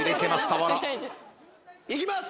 俵いきます